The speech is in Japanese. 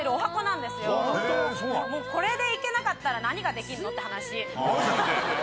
もうこれでいけなかったら何ができんのって話マジで？